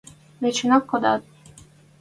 Выченок кодат!